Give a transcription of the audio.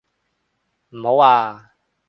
唔好啊！